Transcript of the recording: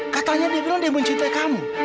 katanya dia bilang dia mencintai kamu